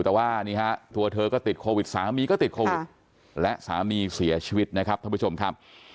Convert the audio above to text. แต่ว่านี่ฮะตัวเธอก็ติดโควิดสามีก็ติดโควิดและสามีเสียชีวิตนะครับท่านผู้ชมครับ